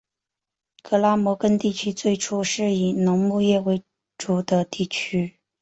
格拉摩根地区最初是以农牧业为主的地区。